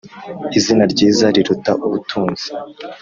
izina ryiza riruta ubutunzi.